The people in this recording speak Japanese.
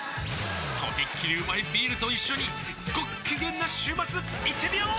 とびっきりうまいビールと一緒にごっきげんな週末いってみよー！